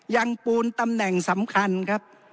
ยังปูนตำแหน่งสำคัญครับ